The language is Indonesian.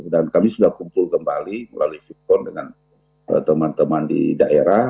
dan kami sudah kumpul kembali melalui vipon dengan teman teman di daerah